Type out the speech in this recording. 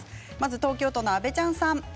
東京都の方です。